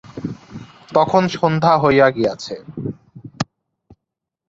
তখন সন্ধ্যা হইয়া গিয়াছে।